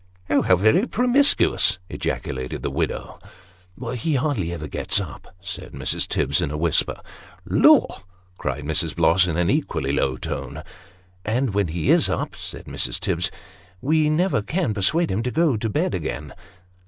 " How very promiscuous !" ejaculated the widow. " He hardly ever gets up," said Mrs. Tibbs in a whisper. " Lor !" cried Mrs. Bloss, in an equally low tone. " And when he is up," said Mrs. Tibbs, " we never can persuade him to go to bed again."